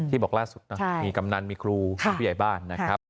ที่บอกล่าสุดมีกำนันมีครูมีผู้ใหญ่บ้าน